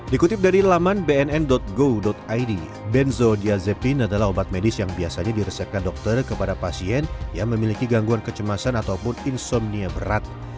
dikutip dari laman bnn go id benzodiazepin adalah obat medis yang biasanya diresepkan dokter kepada pasien yang memiliki gangguan kecemasan ataupun insomnia berat